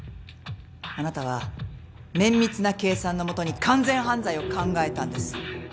あなたは綿密な計算のもとに完全犯罪を考えたんです。